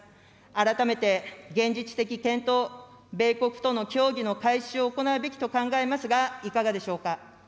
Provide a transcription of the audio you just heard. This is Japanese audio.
改めて、現実的検討、米国との協議の開始を行うべきと考えますが、いかがでしょうか。